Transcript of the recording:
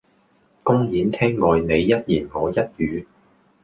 公演廳外你一言我一語